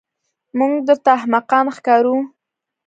موږ درته احمقان ښکارو.